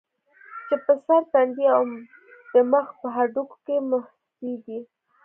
چې پۀ سر ، تندي او د مخ پۀ هډوکو کې محسوسيږي